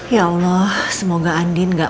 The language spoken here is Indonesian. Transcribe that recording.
ya allah semoga andin gak